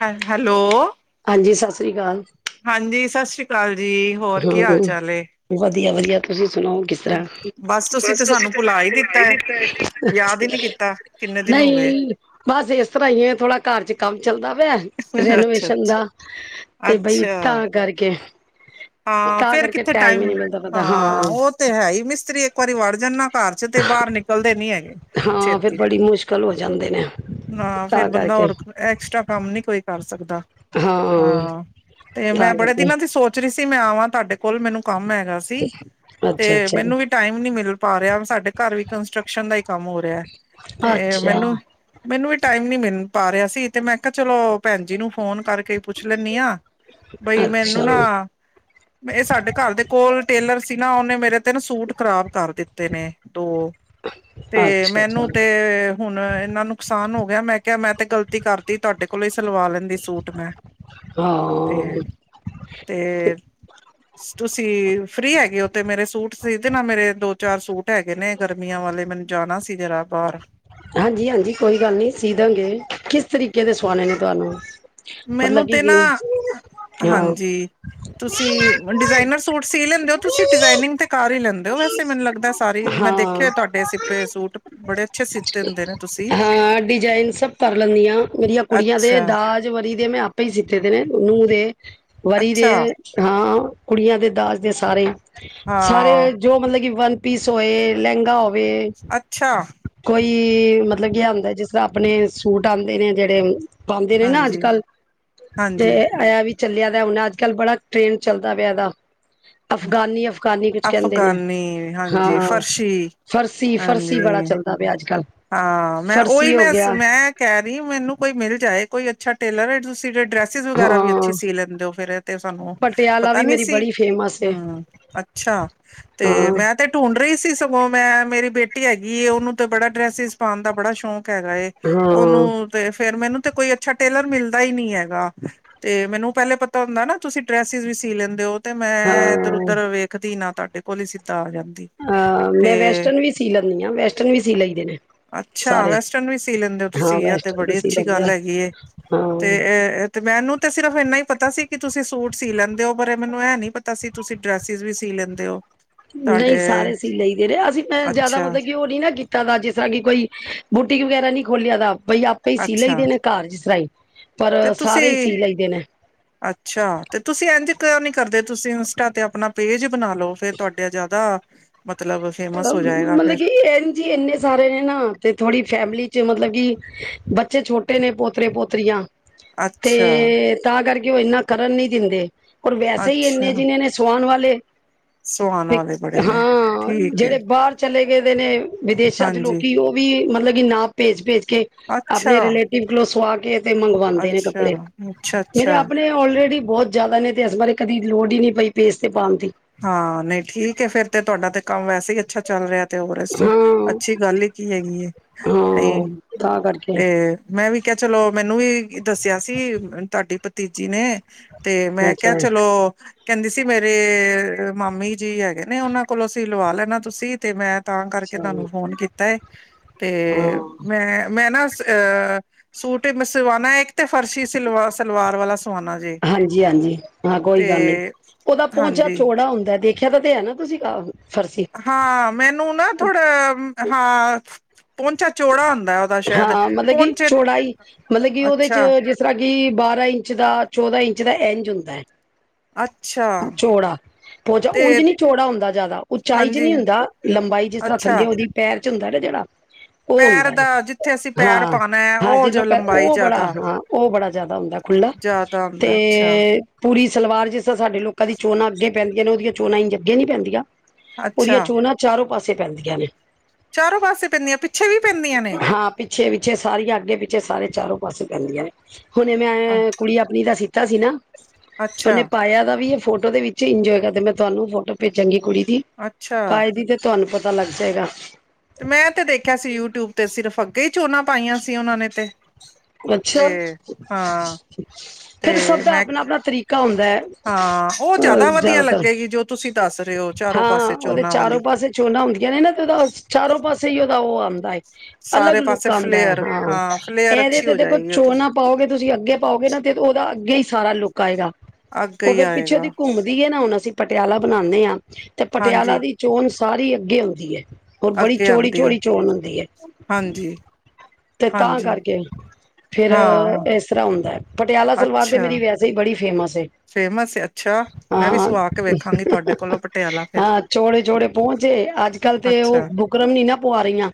ਹੈ ਹੈਲੋ। ਹਾਂਜੀ ਸਤਿ ਸ਼੍ਰੀ ਅਕਾਲ। ਹਾਂਜੀ ਸਤਿ ਸ੍ਰੀ ਅਕਾਲ ਜੀ ਹੋਰ ਕੀ ਹੰ ਹਾਲ ਹੰ ਚਾਲ ਏ ਵਦੀਆ-ਵਦੀਆ ਤੁਸੀਂ ਸੁਣਾਓ ਕਿਸ ਬਸ ਤੁਸੀਂ ਤੇ ਸਾਨੂੰ ਭੁਲਾ ਹੀ ਦਿੱਤਾ ਯਾਦ ਹੀ ਨਹੀਂ ਏ ਕੀਤਾ ਕਿੰਨੇ ਦਿਨ ਹੋ ਗਏ ਨਹੀ ਬਸ ਏਸ ਤਰ੍ਹਾਂ ਹੀ ਥੋੜਾ ਘਰ ਚ ਕੰਮ ਚੱਲਦਾ ਪਿਆ ਅੱਛਾ ਰੈਨੋਵੇਸ਼ਨ ਅੱਛਾ ਦਾ ਤੇ ਬਈ ਤਾਂ ਅੱਛਾ ਕਰਕੇ। ਹਾਂ ਤਾਂ ਫੇਰ ਕਰਕੇ ਕਿੱਥੇ ਹੀ ਟਾਈਮ। ਨਹੀਂ ਮਿਲਦਾ ਪਤਾ ਹਾਂ ਉਹ ਤੇ ਹੈ ਈ ਮਿਸਤਰੀ ਇੱਕ ਵਾਰੀ ਵੜ ਜਾਨ ਨਾ ਘਰ ਚ ਤੇ ਬਾਹਰ ਨਿਕਲਦੇ ਨੀ ਹੈਗੇ ਛੇਤੀ ਲ ਹੋ ਜਾਂਦੇ ਨੇ। ਨਾ ਤਾਂ ਫੇਰ ਬੰਦਾ ਕਰਕੇ ਹੋਰ ਐਕਸਟਰਾ ਕੰਮ ਨੀ ਕੋਈ ਕਰ ਸਕਦਾ। ਹਾਂ ਤੇ ਤਾਂ ਮੈਂ ਬੜੇ ਕਰਕੇ ਦਿਨਾਂ ਦੀ ਸੋਚਰੀ ਸੀ ਮੈਂ ਆਵਾਂ ਤੁਹਾਡੇ ਕੋਲ ਮੈਨੂੰ ਕੰਮ ਹੈਗਾ ਸੀ ਤੇ ਅੱਛਾ ਮੈਨੂੰ ਵੀ ਅੱਛਾ ਟਾਈਮ ਨੀ ਮਿਲ ਪਾ ਰਿਆ ਸਾਡੇ ਘਰ ਵੀ ਕੰਸਟਰਕਸ਼ਨ ਦਾ ਈ ਕੰਮ ਹੋ ਰਿਐ ਤੇ ਅੱਛਾ ਮੈਨੂੰ ਮੈਨੂੰ ਵੀ ਟਾਈਮ ਨੀ ਮਿਨ ਪਾ ਰਿਹਾ ਸੀ ਤੇ ਮੈਂ ਕਾ ਚਲੋ ਭੈਣ ਜੀ ਨੂੰ ਫੋਨ ਕਰਕੇ ਪੁੱਛ ਲੈਂਨੀ ਆ ਬਈ ਅੱਛਾ ਮੈਨੂੰ ਨਾ ਏ ਸਾਡੇ ਘਰ ਦੇ ਕੋਲ ਟੇਲਰ ਸੀ ਨਾ ਓਨੇ ਮੇਰੇ ਤੇ ਨਾ ਸੂਟ ਖ਼ਰਾਬ ਕਰ ਦਿੱਤੇ ਨੇ। ਦੋ ਤੇ ਅੱਛਾ ਅੱਛਾ ਮੈਨੂੰ ਤੇ ਹੁਣ ਇੰਨਾ ਨੁਕਸਾਨ ਹੋ ਗਿਆ ਮੈਂ ਕਿਆ ਮੈਂ ਤੇ ਗਲਤੀ ਕਰ ਤੋਡੇ ਕੋਲੋਂ ਈ ਸਲਵਾ ਲੈਂਦੀ ਸੂਟ ਮੈਂ, ਤੇ- ਹਾਂ ਤੇ ਤੁਸੀਂ ਫ੍ਰਰੀ ਹੈਗੇ ੳ ਤੇ ਮੇਰੇ ਸੂਟ ਸੀਧੇ ਨਾ ਮੇਰੇ ਦੋ ਚਾਰ ਸੂਟ ਹੈਗੇ ਨੇ ਗਰਮੀਆਂ ਵਾਲੇ ਮੈਨੂੰ ਜਾਨਾ ਸੀ ਜਰਾ ਬਾਰ। ਹਾਂਜੀ-ਹਾਂਜੀ ਕੋਈ ਗੱਲ ਨੀ ਸੀ ਦਾਂਗੇ, ਕਿਸ ਤਰੀਕੇ ਦੇ ਸਵਾਨੇ ਨੇ ਤੁਆਨੂੰ। ਮੈਨੂੰ ਤੇ ਨਾ ਹਾਂ ਹਾਂਜੀ। ਤੁਸੀਂ ਡਿਜ਼ਾਇਨਰ ਸੂਟ ਸੀ ਲੈਂਦੇ ੳ, ਤੁਸੀਂ ਡਿਜ਼ਾਇਨਿੰਗ ਤੇ ਕਾਰ ਈ ਲੈਂਦੇ ੳ ਵੈਸੇ ਮੈਨੂੰ ਲੱਗਦੈ ਸਾਰੀ ਮੈਂ ਹਾਂ ਦੇਖਿਆ ਤੋਡੇ ਸਿੱਪੇ ਹੋਏ ਸੂਟ ਬੜੇ ਅੱਛੇ ਸਿੱਤੇ ਹੁੰਦੇ ਨੇ। ਤੁਸੀਂ ਹਾਂ ਡਿਜਾਇਨ ਸਭ ਕਰ ਲੈਂਨੀਆਂ ਮੇਰੀਆਂ ਕੁੜੀਆਂ ਦੇ ਅੱਛਾ ਦਾਜ ਵਰੀ ਦੇ ਮੈਂ ਆਪੇ ਈ ਸਿੱਤੇ ਦੇ ਨੇ ਨੂੰ ਦੇ ਵਰੀ ਦੇ। ਅੱਛਾ ਹਾਂ ਕੁੜੀਆਂ ਦੇ ਦਾਜ ਦੇ ਸਾਰੇ ਸਾਰੇ ਹਾਂ ਜੋ ਮਲਬ ਕਿ ਵਨ ਪੀਸ ਹੋਏ ਲੈਂਗਾ ਹੋਏ, ਅੱਛਾ ਕੋਈ ਮਲ ਮਤਲਬ ਕੀ ਐ ਹੂੰਦਾ ਜਿਸ ਤਰ੍ਹਾਂ ਆਪਨੇ ਸੂਟ ਆਂਦੇ ਨੇ ਜੇੜੇ ਪਾਂਦੇ ਨੇ ਨਾ ਅੱਜ- ਹਾਂਜੀ ਕੱਲ ਤੇ ਹਾਂਜੀ ਆਯਾ ਵੀ ਚੱਲਿਆ ਦਾ ਹੁਨ ਅੱਜ- ਕੱਲ੍ਹ ਬੜਾ ਟ੍ਰੈਂਡ ਚੱਲਦਾ ਪਿਆ ਏਦਾ ਅਫਗਾਨੀ-ਅਫਗਾਨੀ ਕੁਛ ਕੈਂਦੇ ਨੇ ਅਫਗਾਨੀ ਹਾਂ ਹਾਂਜੀ ਫਰਸ਼ੀ ਫਰਸੀ-ਫਰਸੀ ਵਾਲਾ ਹਾਂਜੀ ਚੱਲਦਾ ਪਿਆ ਅੱਜ-ਕੱਲ। ਹਾਂ ਮੈਂ ਔਇ ਮੈਂ, ਮੈਂ ਕੈ ਰਈ ਮੈਨੂੰ ਕੋਈ ਮਿਲ ਜਾਏ ਕੋਈ ਅੱਛਾ ਟੇਲਰ ਤੁਸੀਂ ਜੇੜੇ ਡਰੈਸ ਸਿਸ ਵਗੈਰਾ ਵੀ ਹਾਂ ਅੱਛੀ ਸੀ ਲੈਂਦੇ ੳ ਫੇਰ ਤੇ ਸਾਨੂੰ ਪਟਿਆਲਾ ਪਤਾ ਵੀ ਨੀ ਮੇਰੀ ਸੀ। ਬੜੀ ਫੇਮਸ ਏ। ਹੂੰ, ਅੱਛਾ ਤੇ ਹਾਂ ਮੈਂ ਤੇ ਢੂੰਢ ਰਈ ਸੀ ਸਗੋਂ ਮੈਂ ਮੇਰੀ ਬੇਟੀ ਹੈਗੀ ਏ ਉਨੂੰ ਤੇ ਬੜਾ ਡਰੈਸਿਸ ਪਾਨ ਦਾ ਬੜਾ ਸ਼ੌਂਕ ਹੈਗਾ ਏ। ਹਾਂ ੳਨੂੰ ਤੇ ਫੇਰ ਮੈਨੂੰ ਤੇ ਕੋਈ ਅੱਛਾ ਟੇਲਰ ਮਿਲਦਾ ਈ ਨਈ ਹੈਗਾ। ਤੇ ਮੈਨੂੰ ਪੈਲੇ ਪਤਾ ਹੁੰਦਾ ਨਾ ਤੁਸੀਂ ਡਰੈਸਿਸ ਵੀ ਸੀ ਲੈਂਦੇ ੳ ਤੇ ਮੈਂ ਹਾਂ ਏਧਰ-ਔਧਰ ਵੇਖਦੀ ਨਾ ਤਾਡੇ ਕੋਲ ਈ ਸਿੱਧਾ ਆ ਜਾਂਦੀ, ਅ ਤੇ ਮੈਂ ਵੈਸਟਰਨ ਵੀ ਸੀ ਲੈਂਨੀ ਆਂ, ਵੈਸਟਰਨ ਵੀ ਸੀ ਲਈ ਦੇ ਨੇ। ਅੱਛਾ ਸਾਰੇ। ਵੈਸਟਰਨ ਵੀ ਸੀ ਲੈਂਦੇ ੳ ਤੁਸੀਂ, ਹਾਂ ਐ ਤੇ ਵੈਸਟਰਨ ਵੀ ਬੜੀ ਸੀ ਅੱਛੀ ਲੈਂਦੇ ਗੱਲ ਆ ਹੈਗੀ ਏ, ਹਾਂ। ਤੇ ਤੇ ਮੈਨੂੰ ਤੇ ਸਿਰਫ ਏਨਾ ਈ ਪਤਾ ਸੀ ਕਿ ਤੁਸੀਂ ਸੂਟ ਸੀ ਲੈਂਦੇ ੳ ਪਰੇ ਮੈਨੂੰ ਐ ਨੀ ਪਤਾ ਸੀ ਤੁਸੀਂ ਡਰੈਸਿਸ ਵੀ ਸੀ ਲੈਂਦੇ ੳ। ਨਈ ਸਾਰੇ ਸੀ ਲਈ ਦੇ ਨੇ ਅਸੀਂ ਮੈਂ ਜਾਦਾ ਅੱਛਾ ਮਤਲਬ ਕਿ ੳ ਨਈ ਨਾ ਕੀਤ ਤਾ ਦਾ ਜਿਸ ਤਰ੍ਹਾਂ ਕਿ ਕੋਈ ਬੂਟੀਕ ਵਗੈਰਾ ਨੀ ਖੋਲਿਆ ਦਾ ਬਈ ਆਪੇ ਈ ਸੀ ਲਈ ਅੱਛਾ ਦੇ ਨੇ ਘਾਰ ਜਿਸ ਤਰਾਈ ਤੇ ਤੁਸੀਂ ਅੱਛਾ, ਤੇ ਤੁਸੀਂ ਏੰਝ ਕਂਯੋ ਨੀ ਕਰਦੇ ਤੁਸੀਂ ਇੰਸਟਾ ਤੇ ਆਪਨਾ ਪੇਜ ਬਨਾ ਲੋ ਫੇਰ ਤੁਹਾਡੇ ਜਾਦਾ ਮਤਲਬ ਫੇਮਸ ਹੋ ਜਾਏਗਾ ਫੇਰ ਜੀ ਏਨੇ ਸਾਰੇ ਨੇ ਨਾ ਤੇ ਥੋੜ੍ਹੀ ਫੈਮਿਲੀ ਚ ਮਤਲਬ ਕਿ ਬੱਚੇ ਛੋਟੇ ਨੇ ਪੋਤਰੇ -ਪੋਤਰੀਆਂ ਅੱਛਾ ਤੇ, ਤਾਂ ਕਰਕੇ ਉ ਇੰਨਾ ਕਰਨ ਨੀ ਦਿੰਦੇ ਔਰ ਵੈਸੇ ਈ ਇੰਨੇ ਜਿੰਨੇ ਨੇ ਸੁਵਾਨ ਵਾਲੇ ਸੂਆਣ ਵਾਲੇ ਬੜੇ ਨੇ, ਠੀਕ ਹੈ ਜੇੜੇ ਬਾਰ ਚਲੇ ਗਏ ਦੇ ਨੇ ਵਿਦੇਸ਼ਾਂ 'ਚ ਹਾਂਜੀ ਲੋਕੀ ਓ ਵੀ ਮਤਲਬ ਕਿ ਨਾਪ ਪੇਜ, ਪੇਜ ਕੇ ਅੱਛਾ ਆਪਣੇ ਰੀਲੇਟਿਵ ਕੋਲੌ ਸੁਆ ਕੇ ਤੇ ਮੰਗਵਾੰਦੇ ਨੇ ਅੱਛਾ ਕੱਪੜੇ, ਅੱਛਾ ਜੇੜੇ ਅੱਛਾ ਆਪਣੇ ਆਲਰੇਡੀ ਬਹੁਤ ਜਾਦਾ ਨੇ ਤੇ ਇਸ ਬਾਰੇ ਕਦੀ ਲੋੜ ਹੀ ਨਈਂ ਪਈ ਪੇਸ ਤੇ ਪਾਣ ਦੀ। ਹਾਂ ਨਈਂ ਠੀਕੇ ਫੇਰ ਤੇ ਤੁਆਡਾ ਤੇ ਕੰਮ ਵੈਸੇ ਈ ਅੱਛਾ ਚੱਲ ਰੇਯਾ ਤੇ ਹੋਰ ਇਸ ਤੋਂ ਹਾਂ ਅੱਛੀ ਗੱਲ ਹੀ ਕੀ ਹੈਗੀ ਏ, ਤੇ ਹਾਂ ਤਾਂ ਕਰਕੇ ਤੇ ਮੈਂ ਵੀ ਕੇਯਾ ਚਲੋ, ਮੈਨੂੰ ਵੀ ਦੱਸਿਆ ਸੀ ਤੁਆਡੀ ਪਤੀਜੀ ਨੇ ਤੇ ਮੈਂ ਕਯਾ ਚਲੋ, ਕੈਂਦੀ ਸੀ ਮੇਰੇ ਮਾਮੀ ਜੀ ਹੈਗੇ ਨੇ ਓਨਾਂ ਕੋਲੋਂ ਅਸੀਂ ਲਵਾ ਲੈਣਾ ਤੁਸੀਂ ਤੇ ਮੈਂ ਤਾਂ ਕਰਕੇ ਚਲ ਤੁਆਨੂੰ ਫੋਨ ਕੀਤਾ ਏ, ਤੇ ਹਾਂ ਮੈਂ ਮੈਂ ਨਾ ਅ ਸੂਟ ਮ ਸਵਾਣਾ ਏਕ ਤੇ ਫਰਸ਼ੀ ਸਲਵਾ ਸਲਵਾਰ ਵਾਲਾ ਸਵਾਣਾ ਜੇ। ਹਾਂਜੀ-ਹਾਂਜੀ ਹਾਂ, ਕੋਈ ਤੇ ਗੱਲ ਨੀ ਓਦਾ ਪੋੰਚਾ ਹਾਂਜੀ ਚੋੜਾ ਹੁੰਦਾ ਤੇ ਜਗਹ ਤੇ ਹੈਨੀਂ, ਤੁਸੀਂ ਆਹੋ ਫਰਸੀ ਹਾਂ, ਮੈਨੂੰ ਨਾ ਥੋੜਾ ਹਾਂ, ਪੋੰਚਾ ਚੌੜਾ ਹੁੰਦਾ। ਉਹਦਾ ਸ਼ਾਇਦ ਹਾਂ ਮਤਲਬ ਕਿ ਪਹੁੰਚੇ ਚੌੜਾਈ, ਮਤਲਬ ਕਿ ਓਦੇ ਚ ਅੱਛਾ ਜਿਸ ਜਿਸ ਤਰ੍ਹਾਂ ਕਿ ਬਾਰਾਂ ਇੰਚ ਦਾ, ਚੌਦਾਂ ਇੰਚ ਦਾ ਏੰਝ ਹੁੰਦਾ। ਅੱਛਾ। ਪੋਚਾਂ ਤੇ ਉੰਜ ਨੀ ਚੌੜਾ ਹੁੰਦਾ ਜਾਦਾ ਉਚਾਈ ਚ ਹਾਂਜੀ ਨੀ ਹੁੰਦਾ ਲੰਬਾਈ ਜਿਸ ਤਰ੍ਹਾਂ ਅੱਛਾ ਥੱਲੇ ਓਦੀ ਪੈਰ'ਚ ਹੁੰਦਾ ਨਾ ਜੇੜਾ ਓ ਪੈਰ ਹੁੰਦਾ। ਦਾ ਜਿੱਥੇ ਅਸੀਂ ਪੈਰ ਹਾਂ, ਪਾਉਣਾ ਹੈ ਹਾਂ ਉਹ ਜਿਦੇਂ ਜੋ ਪ ਲੰਬਾਈ ਓ ਬੜਾ ਜ਼ਿਆਦਾ ਹਾਂ, ਓ ਬੜਾ ਜਿਆਦਾ ਹੁੰਦਾ ਖੁਲਾ ਜ਼ਿਆਦਾ ਤੇ ਹੁੰਦਾ ਅੱਛਾ ਤੇ ਪੂਰੀ ਸਲਵਾਰ ਜਿਸ ਤਰ੍ਹਾਂ ਸਾਡੇ ਲੋਕਾਂ ਦੀ ਚੋਣਾ ਅੱਗੇ ਪੈਂਦੀਆਂ ਨੇ ਓਦੀਆਂ ਚੋਣਾਂ ਇੰਜ ਅੱਗੇ ਨੀ ਪੈਂਦੀਆਂ ਓਦੀਆਂ ਅੱਛਾ ਚੋਣਾਂ ਚਾਰੋਂ ਪਾਸੇ ਪੈਂਦੀਆਂ ਨੇ। ਚਾਰੋਂ ਪਾਸੇ ਪੈਂਨੀਆਂ, ਪਿੱਛੇ ਵੀ ਪੈਂਦੀਆਨ? ਹਾਂ ਪਿੱਛੇ ਪਿੱਛੇ ਸਾਰੀਆਂ ਅੱਗੇ-ਪਿੱਛੇ ਸਾਰੇ ਚਾਰੋਂ ਪਾਸੇ ਪੈਂਦੀਆਂ ਨੇ, ਹੁਣੇ ਅ ਮੈਂ ਕੁੜੀ ਆਪਣੀ ਦਾ ਸੀਤਾ ਸੀ ਨਾ, ਤੇ ਅੱਛਾ ਓਨੇ ਪਾਇਆ ਦਾ ਵੀ ਏ। ਫੋਟੋ ਦੇ ਵਿੱਚ ਇੰਜੇ ਹੋਏਗਾ, ਤੇ ਮੈਂ ਤੁਆਨੂੰ ਫੋਟੋ ਪੇਜਾਂਗੀ ਕੁੜੀ ਦੀ ਅੱਛਾ ਪਾਏ ਦੀ ਤੇ ਤੁਆਨੂੰ ਪਤਾ ਲੱਗ ਜੇਗਾ। ਤੇ ਮੈਂ ਤੇ ਦੇਖੇਆ ਸੀ, ਯੂਟਯੁਬ ਤੇ ਸਿਰਫ ਅੱਗੇ ਹੀ ਚੋਂਨਾ ਪਾਈਆਂ ਸੀ ਓਨਾਂ ਨੇ ਤੇ। ਤੇ ਅੱਛਾ, ਹਾਂ ਫੇਰ ਤੇ ਸਬਦਾ ਮੈਂ ਅਪਨਾ-ਅਪਨਾ ਤਰੀਕਾ ਹੁੰਦਾ। ਹਾਂ, ਔ ਅ ਜਾਦਾ ਵਦੀਆ ਜ਼ਿਆਦਾਤਰ ਲੱਗੇਗੀ, ਜੋ ਤੁਸੀਂ ਦੱਸ ਰੇਓ ਚਾਰੋਂ ਪਾਸੇ ਚੋਨਾਂ ਵਾਲੀ। ਚੋਨਾਂ ਹੁੰਦੀਆਂ ਨੇ ਨਾ ਤੇ ਓਦਾ, ਚਾਰੋਂ ਪਾਸੇ ਹੀ ਓਦਾ ਓ ਆਂਦਾ ਏ। ਅਲੱਗ ਸਾਰੇ ਪਾਸੇ ਲੁੱਕ ਆਂਦਾ, ਫਲੇਅਰ ਹਾਂ। ਫਲੇਅਰ ਜੇ ਅੱਛੀ ਤੇ ਹੋ ਦੇਖੋੋ ਨਾ ਜਾਏਗੀ ਉਹਦੀ ਚੋਨਾਂ ਪਾਓਗੇ ਤੁਸੀਂ ਅੱਗੇ ਪਾਓਗੇ ਨਾ, ਤੇ ਓਦਾ ਅੱਗੇ ਹੀ ਸਾਰਾ ਲੁੱਕ ਲੁੱਕ ਆਏਗਾ ਅੱਗੇ ਓ ਹੀ ਫੇਰ ਪਿੱਛੇ ਦੀ ਆਏਗਾ ਕੂੰਮਦੀ ਏਨਾ ਹੁਣ, ਅਸੀਂ ਪਟਿਆਲਾ ਬਣਾਂਦੇ ਆਂ। ਤੇ ਪਟਿਆਲਾ ਹਾਂਜੀ ਦੀ ਚੋਣ ਸਾਰੀ ਅੱਗੇ ਹੁੰਦੀ ਏ। ਔਰ ਬੜੀ ਅੱਗੇ ਆਂਦੀ ਏ, ਚੌੜੀ-ਚੌੜੀ ਚੋਣ ਹੁੰਦੀ ਏ ਹਾਂਜੀ। ਤੇ ਤਾਂ ਹਾਂਜੀ ਕਰਕੇ ਫੇਰ ਹਾਂ ਏਸ ਤਰ੍ਹਾਂ ਹੁੰਦਾ, ਪਟਿਆਲਾ ਸਲਵਾਰ ਤੇ ਅੱਛਾ ਮੇਰੀ ਵੈਸੇ ਬੜੀ ਫੇਮਸ ਏ। ਫੇਮਸ ਹੈ ਅੱਛਾ ਮੈਂ ਵੀ ਹਾਂ ਸਵਾ ਕੇ ਵੇਖਾਂਗੀ [unintelligible] ਤੁਹਾਡੇ ਕੋਲੋਂ ਪਟਿਆਲਾ ਫਿਰ ਹਾਂ, ਚੋੜੇ-ਚੋੜੇ ਪਉਂਚੇ ਅੱਜ ਕੱਲ ਤੇ ਔ ਅੱਛਾ ਬੁਕਰਮ ਨੀਨਾ ਪਵਾ ਰਈਂਆ,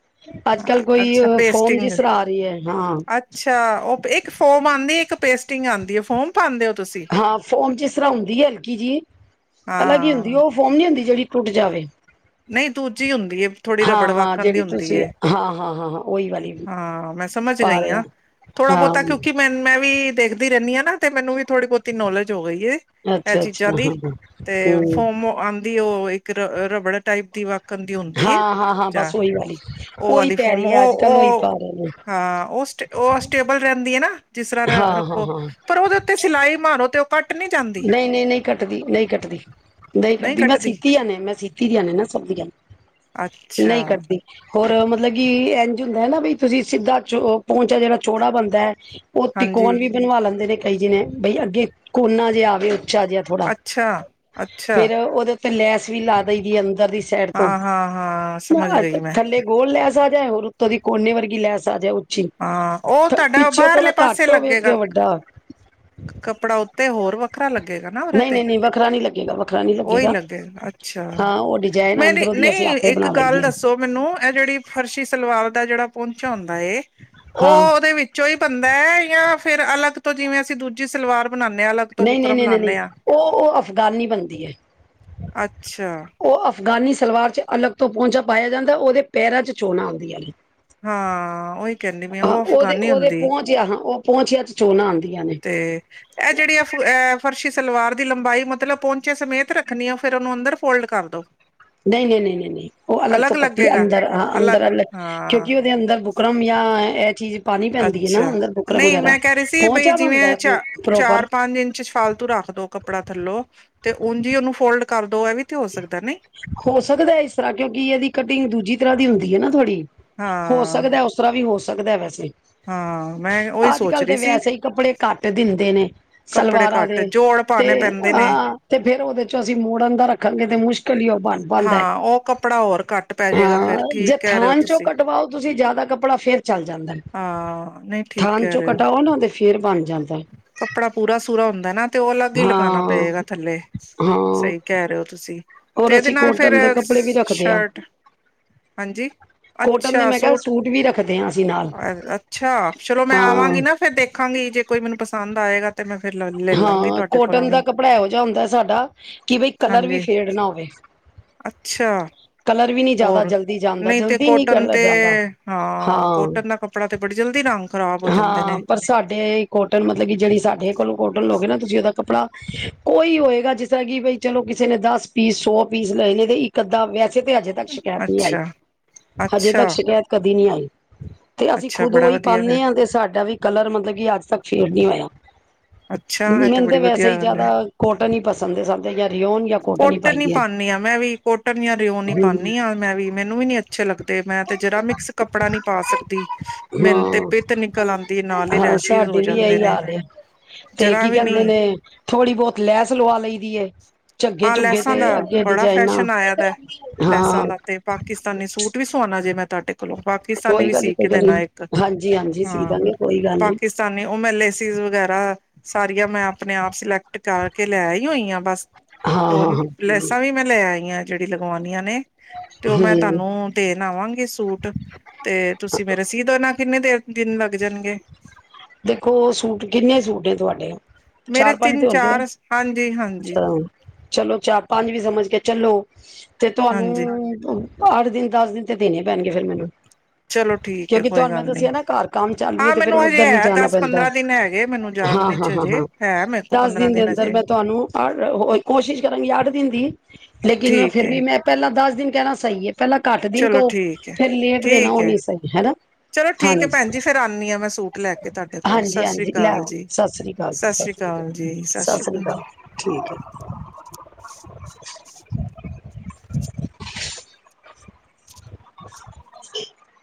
ਅੱਜ-ਕਲ ਕੋਈ ਅੱਛਾ ਫੋਰਮ ਜਿ ਪੇਸਟਿੰਗ ਆ ਰੀਏ, ਹਾਂ। ਅੱਛਾ, ਔ ਏਕ ਫੋਮ ਆਂਦੀ ਏ, ਏਕ ਪੇਸਟਿੰਗ ਆਂਦੀ ਏ, ਫੋਮ ਪਾਂਦੇ ਓ ਤੁਸੀਂ? ਹਾਂ, ਫੋਮ ਜਿਸ ਤਰ੍ਹਾਂ ਹੁੰਦੀਏ ਹਲਕੀ ਜੀ, ਅਲਗ ਈ ਹੁੰਦੀਏ, ਹਾਂ ਓ ਫੋਮ ਨੀ ਹੁੰਦੀ ਜੇੜੀ ਟੁੱਟ ਜਾਵੇ। ਨਈਂ ਦੂਜੀ ਹੁੰਦੀ ਏ, ਥੋੜ੍ਹੀ ਰਬੜ ਹਾਂ ਹਾਂ ਵਕਣ ਦੀ ਜਿਹੜੀ ਹੁੰਦੀ ਤੁਸੀਂ ਏ। ਹਾਂ, ਹਾਂ, ਹਾਂ, ਹਾਂ ਉਹੀ ਵਾਲੀ। ਹਾਂ ਮੈਂ ਸਮਝ ਪਾ ਗਈ ਰਹੇ ਆ, ਹੋ ਥੋੜ੍ਹਾ ਬਹੁਤਾ ਕਿਉਂਕਿ ਹਾਂ ਮੈਨੂੰ ਮੈਂ ਵੀ ਦੇਖਦੀ ਰਹਿੰਦੀ ਹਾਂ ਨਾ, ਤੇ ਮੈਨੂੰ, ਵੀ ਥੋੜ੍ਹੀ ਬਹੁਤੀ ਨੋਲੇਜ ਹੋ ਗਈ ਏ। ਇਹ ਅੱਛਾ ਅੱਛਾ ਚੀਜ਼ਾਂ ਦੀ, ਹਾਂ ਹਾਂ ਤੇ ਹਮ ਫੋਮ ਆਉਂਦੀ ਉਹ ਇੱਕ ਰਬੜ ਟਾਈਪ ਦੀ ਵਕ ਵਕਣ ਦੀ ਹੁੰਦੀ ਏ ਹਾਂ ਹਾਂ ਹਾਂ ਜਾਂ ਬਸ ਉਹੀ ਵਾਲੀ ਓਹ ਉਹੀ ਵਾਲੀ ਪੈ ਫੋਮ ਰਹੀ ਹੈ ਅੱਜ ਓਹ ਕੱਲ ਉਹੀ ਔਹ, ਪਾ ਰਹੇ ਨੇ ਹਾਂ ਔਹ ਸ ਉਹ ਸਟੇਬਲ ਰਹਿੰਦੀ ਹੈ, ਨਾ ਜਿਸ ਤਰ੍ਹਾਂ ਹਾਂ ਹਾਂ ਰੱਖੋ। ਹਾਂ ਪਰ ਉਹਦੇ ਉੱਤੇ ਸਿਲਾਈ ਮਾਰੋ ਤੇ ਪੱਟ ਨਹੀਂ ਜਾਂਦ ਨਹੀਂ -ਨਹੀਂ -ਨਹੀਂ ਕੱਟਦੀ ਨਹੀ, ਕੱਟਦੀ ਨਹੀਂ, ਕੱਟਦੀ ਮੈਂ ਸੀਤੀ ਆਨੇ, ਮੈਂ ਸੀਤੀ ਧੀਆਂ ਨੇ ਨਾ ਸਭ ਦੀਆਂ, ਅੱਛਾ ਨਹੀਂ ਕਰਦੀ। ਹੋਰ ਮਤਲਬ ਕਿ ਇੰਝ ਹੁੰਦਾ ਹੈ, ਨਾ ਬ ਤੁਸੀਂ ਸਿੱਧਾ ਚੋ ਪਹੁੰਚਾ ਜਿਹੜਾ ਛੋੜਾ ਬਣਦੈ ਔਹ ਹਾਂਜੀ ਤਿਕੋਨ ਵੀ ਬਣਵਾ ਲੈਂਦੇ ਨੇ ਕਈ ਜਿਨੇ ਬਈ ਅੱਗੇ ਕੋਨਾ ਜਿਹਾ ਆਵੇ ਉੱਚਾ ਜਿਹਾ। ਥੋੜਾ ਅੱਛਾ ਅੱਛਾ ਫੇਰ ਉਹਦੇ ਉੱਤੇ ਲੈਸ ਵੀ ਲਾ ਦੇਈ ਦੀ ਏ ਅੰਦਰ ਦੀ ਸ਼ਈਡ ਤੋਂ, ਹਾਂ ਹਾਂ ਹਾਂ ਸਮਝ ਆ ਗਈ ਮੈਂ ਥੱਲੇ ਗੋਲ ਲੈਸ ਆ ਜੈ ਹੋਰ ਉੱਤੋਂ ਦੀ ਕੋਨੇ ਵਰਗੀ ਲੈਸ ਆ ਜਾਏ ਉੱਚੀ ਹਾਂ ਉਹ ਤੁਹਾਡਾ ਪਿੱਛੋਂ ਥੋੜਾ ਬਾਹਰਲੇ ਪਾਸੇ, ਘੱਟ ਹੋਵੇ ਅੱਗੇ ਲੱਗੇਗਾ ਵੱਡਾ ਕੱਪੜਾ ਔ ਤੇ ਹੋਰ ਵੱਖਰਾ ਲੱਗੇਗਾ ਨਾ ਉਹਦੇ ਨਹੀਂ ਤੇ ਨਹੀਂ ਨਹੀਂ ਵੱਖਰਾ ਨਹੀਂ ਲੱਗੇਗਾ ਵੱਖਰਾ ਨਹੀਂ ਓਹੀ ਲੱਗੇਗਾ ਅੱਚ ਅੱਛਾ ਹਾਂ ਉਹ ਡਿਜ਼ਾਇਨ ਮੈਂ ਨੀਂ, ਅੰਦਰੋਂ ਦੀ ਅਸੀਂ ਨਹੀਂ ਆਪੇ ਇੱਕ ਬਣਾ ਗੱਲ ਲਈਏ ਦੱਸੋ? ਮੈਨੂੰ, ਇਹ ਜਿਹੜੀ ਫਰਸ਼ੀ ਸਲਵਾਰ ਦਾ ਜਿਹੜਾ ਪਹੁੰਚ ਹੁੰਂਦਾ ਏ ਹਾਂ ਉਹ ਉਹਦੇ ਵਿੱਚੋਂ ਹੀ ਬੰਦਾ ਹੈ, ਜਾਂ ਫੇਰ ਅਲੱਗ ਤੋਂ ਜਿਵੇਂ ਅਸੀਂ ਦੂਜੀ ਸਲਵਾਰ ਬਣਾੰਦੇ ਹਾਂ ਅਲੱਗ ਤੋਂ ਨਹੀਂ -ਨਹੀਂ, ਬੁਕਰਮ ਨਹੀਂ -ਨਹੀਂ, ਨਹੀਂ ਲਾਉਂਦੇ ਹਾਂ ਔਹ ਔਹ ਅਫਗਾਨੀ ਬਣਦੀ ਹੈ। ਅੱਛਾ। ਔਹ ਅਫਗਾਨੀ ਸਲਵਾਰ ਚ ਅਲਗ ਤੋਂ ਪਹੁੰਚਾ ਪਾਇਆ ਜਾਂਦਾ, ਉਹਦੇ ਪੈਰਾਂ ਚ ਚੋਣਾਂ ਆਉਂਦੀਆਂ ਨੇ। ਹਾਂ ਉਹੀ ਕਹਿੰਦੀ ਮੈਂ, ਉਹ ਅਫਗਾਨੀ ਹੁੰਦੀ। ਜੇ ਆਹਾਂ ਉਹ ਪਹੁੰਚੀਆਂ ਚ ਚੋਣਾਂ ਆੰਦੀਆਂ ਨੇ। ਤੇ ਇਹ ਜਿਹੜੀ ਏਹ ਫਰਸ਼ੀ ਸਲਵਾਰ ਦੀ ਲੰਬਾਈ ਮਤਲਬ ਪਹੁੰਚੇ ਸਮੇਤ ਰੱਖਣੀ ਆ ਫੇਰ ਔਹਨੂੰ ਅੰਦਰ ਫੋਲਡ ਕਰ ਦੋ। ਨਹੀਂ, ਨਹੀਂ, ਨਹੀਂ, ਨਹੀਂ, ਨਹੀਂ ਔਹ ਅਲੱਗ ਤੋਂ ਪੱਟੀ ਅੰਦਰ ਹ ਅੰਦਰ ਅਲੱਗ ਕਿਉਂਕਿ ਉਹਦੇ ਅੰਦਰੁ ਬੋ ਬਰਮ ਯਾ ਏਹ ਚੀਜ਼ ਪਾਣੀ ਪੈਂਦੀ ਹੈ ਅੱਛਾ ਨਾ ਅੰਦਰ ਬੁਕਰਮ ਨਹੀਂ ਵਗੈਰਾ ਮੈਂ ਕਹਿ ਰਹੀ ਸੀ ਬਈ, ਪਹੁੰਚਾ ਬਣਦਾ ਜਿਵੇਂ ਹੈ ਪਿਓ ਚਾ ਪ੍ਰੋਪਰ ਚਾਰ- ਪੰਜ ਇੰਚ ਫਾਲਤੂ ਰੱਖ ਦੋ ਕੱਪੜਾ ਥੱਲੋ ਤੇ ਉਂਝ ਉਹਨੂੰ ਫੋਲਡ ਕਰ ਦੋ ਇਹ ਵੀ ਤੇ ਹੋ ਸਕਦਾ ਨਹੀਂ। ਹੋ ਸਕਦਾ ਇਸ ਤਰ੍ਹਾਂ ਕਿਉਂਕਿ ਇਹਦੀ ਕਟਿੰਗ ਦੂਜੀ ਤਰ੍ਹਾਂ ਦੀ ਹੁੰਦੀ ਹੈ ਨਾ ਥੋੜ੍ਹੀ, ਹੋ ਹਾਂ ਸਕਦਾ ਉਸ ਤਰਾ ਵੀ ਹੋ ਸਕਦਾ ਵੈਸੇ, ਹਾਂ ਮੈਂ ਉਹੀ ਅੱਜ ਸੋਚ -ਕੱਲ ਰਹੀ ਤਾਂ ਸੀ ਵੈਸੇ ਹੀ ਕੱਪੜੇ ਘੱਟ ਦਿੰਦੇ ਨੇ ਕੱਪੜੇ ਸਲਵਾਰਾਂ ਘੱਟ ਦੇ ਜੋੜ ਤੇ ਪਾਣੇ ਪੈਂਦੇ ਨੇ ਹਾਂ ਤੇ ਫੇਰ ਉਹਦੇ ਚੋਂ ਅਸੀਂ ਮੋੜਨ ਦਾ ਰੱਖਾਂਗੇ ਤੇ ਮੁਸ਼ਕਿਲ ਹੀ ਔਹ ਬਣ ਬੰਦਾ ਹੈ, ਹਾਂ ਉਹ ਕੱਪੜਾ ਹੋਰ ਘੱਟ ਪੈ ਜਾਏਗਾ ਫੇਰ ਹਾਂ ਜੇ ਠੀਕ ਕਹਿ ਰਹੇ ਹੋ ਥਾਣ ਚੋਂ ਤੁਸੀਂ ਕਟਵਾਓ ਤੁਸੀਂ ਜਿਆਦਾ ਕੱਪੜਾ ਫੇਰ ਚੱਲ ਜਾਂਦਾ ਹਾਂ ਨਹੀਂ ਠੀਕ ਥਾਂਨ ਕਹਿ ਚੋ ਰਹੇ ਹੋ ਕਟਾਓ ਨਾ ਤੇ ਫੇਰ ਬਣ ਜਾਂਦਾ ਕੱਪੜਾ ਪੂਰਾ -ਸੂਰਾ ਹੁੰਦਾ ਨਾ ਤੇ ਉਹ ਅਲੱਗ ਹੀ ਲਗਾਣਾ ਹਾਂ ਪਏਗਾ ਥੱਲੇ ਹਾਂ ਸਹੀ ਕਹਿ ਰਹੇ ਹੋ ਤੁਸੀਂ, ਹੋਰ ਤੇ ਇਹਦੇ ਅਸੀਂ ਨਾਲ ਫਿਰ ਕੋਟਨ ਦੇ ਕੱਪੜੇ ਵੀ ਰੱਖਦੇ ਹਾਂ ਸ਼ਰਟ ਹਾਂਜੀ ਕੋਟਨ ਦੇ ਅੱਛਾ ਮੈਂ ਕਿਹਾ ਸੂਟ, ਵੀ ਰੱਖਦੇ ਹਾਂ ਅਸੀਂ ਨਾਲ ਅ ਅੱਛਾ ਚਲੋ ਮੈਂ ਹਾਂ ਆਵਾਂਗੀ ਨਾ ਫਿਰ ਦੇਖਾਂਗੀ ਜੇ ਕੋਈ ਮੈਨੂੰ ਪਸੰਦ ਆਏਗਾ ਤੇ ਮੈਂ ਫਿਰ [unintelligible] ਹਾਂ ਤੁਹਾਡੇ ਕੋਲੋਂ ਕੋਟਨ ਦਾ ਵੀ ਕੱਪੜਾ ਇਹੋ ਜਿਹਾ ਹੁੰਦਾ ਸਾਡਾ ਕਿ ਬਈ ਕਲਰ ਵੀ ਹਾਂਜੀ ਫੇਡ ਨਾ ਹੋਵੇ। ਅੱਛਾ। ਕਲਰ ਵੀ ਨੀ ਜਾਦਾ ਹੋਰ ਜਲਦੀ ਜਾਂਦਾ ਨਹੀਂ ਤੇ ਜਲਦੀ ਨੀ ਕੋਟਨ ਕਲਰ ਤੇ ਜਾਂਦਾ, ਹਾਂ। ਕੋਟਨ ਦਾ ਕੱਪੜਾ ਤੇ ਬੜੀ ਜਲਦੀ ਰੰਗ ਖ਼ਰਾਬ ਹੋ ਜਾਂਦੇ ਨੇ ਹਾਂ ਪਰ ਸਾਡੇ ਕੋਟਨ ਮਤਲਬ ਕੇ ਜੇੜੀ ਸਾਡੇ ਕੋਲੋਂ ਕੌਟਨ ਲੋਗੇ ਨਾ ਤੁਸੀਂ ਓਦਾ ਕੱਪੜਾ ਕੋਈ ਹੋਏਗਾ ਜਿਸ ਤਰਾਂ ਕੇ ਬਈ ਚਲੋ ਕਿਸੇ ਨੇ ਦੱਸ ਪੀਸ ਸੌ ਪੀਸ ਲਏ ਨੇ ਤੇ ਇੱਕ ਅੱਧਾ ਵੈਸੇ ਤੇ ਅੱਜ ਤ ਸ਼ਕੈਤ ਨੀ ਆਈ, ਅੱਛਾ ਹਜੇ ਅੱਛਾ ਤੱਕ ਸ਼ਕੈਤ ਕਦੀ ਨੀ ਆਈ। ਤੇ ਅਸੀਂ ਅੱਛਾ ਖੁਦ ਬੜਾ ਓਈ ਵਧੀਆ ਫਿਰ ਪਾਨੇ ਆਂ ਤੇ ਸਾਡਾ ਵੀ ਕਲਰ ਮਤਲਬ ਕੇ ਅੱਜ ਤੱਕ ਫੇਡ ਨੀ ਹੋਏਆ। ਅੱਛਾ ਐ ਤੇ ਬੜੀ ਵਦੀਆ ਗੱਲ ਐ, ਜ਼ਿਆਦਾ ਕੋਟਨ ਹੀ ਪਸੰਦ ਹੈ ਸਾਨੂੰ ਜਾਂ ਰਿਓਨ ਜਾਂ ਹੀ ਕੋਟਨ ਪਾਈ ਈ ਦੀ ਹੈ ਪਾਂਨੀ ਆ ਮੈਂ ਵੀ। ਕੋਟਨ ਜਾਂ ਰਿਓਨ ਈ ਪਾਂਨੀ ਆਂ ਮੈਂ ਵੀ ਮੈਨੂੰ ਵੀ ਨੀ ਅੱਛੇ ਲੱਗਦੇ ਮੈਂ ਤੇ ਜਰਾ ਮਿਕਸ ਕੱਪੜਾ ਨੀ ਪਾ ਸਕਦੀ। ਮੈਨੂੰ ਤੇ ਹਾਂ ਪਿੱਤ ਨਿਕਲ ਆਂਦੀ ਏ ਨਾਲ ਈ ਹਾਂ ਰੈਸ਼ਜ਼ ਹੋ ਸਾਡੇ ਵੀ ਜਾਂਦੇ ਇਹੀ ਨੇ। ਹਾਲ ਹੈ ਤੇ ਜਰਾ ਕੀ ਵੀ ਕੈਂਦੇ ਨੀ ਨੇ ਥੋੜੀ ਬੋਤ ਲੈਸ ਲਵਾ ਲਈ ਦੀ ਏ। ਝੱਗੇ ਹਾਂ ਝੁਗੇ ਲੈਸਾਂ ਤੇ ਦਾ ਅੱਗੇ ਬੜਾ ਡਿਜਾਇਨਾਂ, ਫੈਸ਼ਨ ਆਇਆ ਹਾਂ। ਤਾ ਨੀ ਸੂਟ ਵੀ ਸਵਾਨਾ ਜੇ ਮੈਂ ਤੁਆਡੇ ਕੋਲੋਂ ਪਾਕਿਸਤਾਨੀ ਕੋਈ ਵੀ ਗੱਲ ਨੀ ਸੀਅ ਕੋਈ ਕੇ ਗੱਲ ਦੇਨਾ ਨੀ। ਇੱਕ ਹਾਂਜੀ ਹਾਂਜੀ ਸੀ ਹਾਂ ਦਾਂਗੇ ਕੋਈ ਗੱਲ ਨੀ ਪਾਕਿਸ ਸਾਨੇ ਮੈਂ ਓ ਲੇਸੀਜ਼ ਵਗੈ ਸਾਰੀਆਂ ਮੈਂ ਆਪਨੇ ਆਪ ਸਿਲੈਕਟ ਕਰਕੇ ਲੈ ਆਈ ਹੋਈ ਹਾਂ ਬਸ। ਹਾਂ ਓ ਹਾਂ ਲੈਸਾਂ ਹਾਂ ਵੀ ਮੈਂ ਲੈ ਆਈ ਆਂ ਜੇੜੀ ਲਗਵਾਨੀਆਂ ਨੇ, ਤੇ ਓ ਮੈਂ ਹੂੰ। ਤਾਨੂੰ ਦੇਨ ਆਵਾਂਗੀ ਸੂਟ, ਤੇ ਤੁਸੀਂ ਮੇਰੇ ਸੀਅ ਦੇਨਾ ਕਿੰਨੇ ਦੇ ਦਿਨ ਲੱਗ ਜਾਨਗੇ। ਦੇਖੋ ਸੂਟ ਕਿੰਨੇ ਸੂਟ ਨੇ ਤੁਆਡੇ, ਮੇਰੇ ਚਾਰ ਪੰਜ ਤਿੰਨ ਤੇ ਹੋਨਗੇ, ਚਾਰ ਹਾਂਜੀ ਹਾਂਜੀ ਅੱਛਾ ਚਲੋ ਚਾਰ ਪੰਜ ਵੀ ਸਮਝ ਕੇ ਚਲੋ, ਤੇ ਹਾਂਜੀ ਤਆਨੂੰ ਅੱਠ ਦਿਨ ਦਸ ਦਿਨ ਤੇ ਦੇਨੇ ਪੈਨਗੇ ਫੇਰ ਮੈਨੂੰ। ਚਲੋ ਠੀਕ ਹੈ ਕਿਓਂਕਿ ਕੋਈ ਤਆਨੂੰ ਮੈਂ ਗੱਲ ਨਹੀਂ। ਦੱਸੇਆ ਨਾ ਘਰ ਕੰਮ ਚਾਲੂ ਐ ਹਾਂ ਤੇ ਫੇਰ ਮੈਨੂੰ ਹਜੇ ਓਦਰ ਵੀ ਹੈ ਜਾਣਾ ਦਸ ਪੈਂਦਾ ਪੰਦਰਾਂ ਦਿਨ ਹੈਗੇ ਮੈਨੂੰ ਜਾਣ ਵਿੱਚ ਹਜੇ ਹਾਂ-ਹਾਂ-ਹਾਂ-ਹਾਂ ਹੈ ਮੇਰੇ ਕੋਲ ਦਸ ਪੰਦਰਾਂ ਦਿਨ ਦੇ ਅੰਦਰ ਹਜੇ ਮੈਂ ਤੁਆਨੂੰ ਕੋਸ਼ਿਸ਼ ਕਰਾਂਗੀ ਅੱਠ ਦਿਨ ਦੀ ਲੇਕਿਨ ਠੀਕ ਫਿਰ ਹੈ ਵੀ ਮੈਂ ਪੈਲਾਂ ਦਸ ਦਿਨ ਕੈਨਾ ਸਈ ਐ। ਪੈਲਾਂ ਘੱਟ ਦਿਨ ਚਲੋ ਕਹੋ, ਠੀਕ ਹੈ ਫੇਰ ਲੇਟ ਦੇਨਾ ਠੀਕ ਓ ਹੈ ਨਈਂ ਸਈ ਹੈਨਾ, ਹਾਂਜੀ। ਆਨੀ ਆਂ ਮੈਂ ਸੂਟ ਲੈ ਤੇ ਤਾਡੇ ਕੋਲ ਹਾਂਜੀ ਸਸ ਰੀ ਹਾਂਜੀ ਲੈ ਕਾਲ ਆਓ ਜੀ, ਸਤਿ ਸ੍ਰੀ ਅਕਾਲ ਜੀ ਸਸ ਸਤਿ ਰੀ ਸ੍ਰੀ ਅਕਾਲ ਕਾਲ ਜੀ ਸਤਿ ਸਸ ਰੀ ਸ੍ਰੀ ਕਾਲ। ਅਕਾਲ ਠੀਕ ਐ। [inaudible]